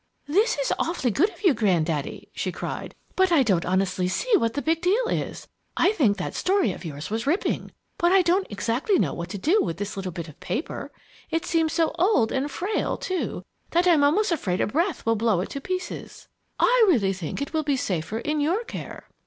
"This is awfully good of you, Granddaddy!" she cried, "but I don't honestly see what the big idea is! I think that story of yours was ripping, but I don't exactly know what to do with this little bit of paper. It seems so old and frail, too, that I'm almost afraid a breath will blow it to pieces. I really think it will be safer in your care."